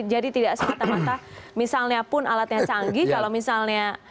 jadi tidak semata mata misalnya pun alatnya canggih kalau misalnya